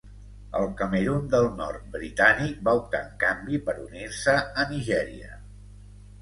El Camerun del nord britànic va optar en canvi per unir-se a Nigèria.